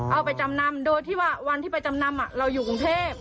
เอาไปจำนำโดยที่ว่าวันที่ไปจำนำเราอยู่กรุงเทพ